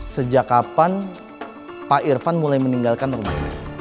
sejak kapan pak irfan mulai meninggalkan rumah ini